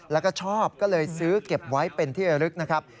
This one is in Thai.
แล้วก็ชอบก็เลยซื้อเก็บไว้เป็นที่ระลึกนะครับ